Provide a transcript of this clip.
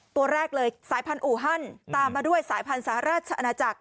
ตัวแรกเลยสายพันธุฮันตามมาด้วยสายพันธุ์สหราชอาณาจักร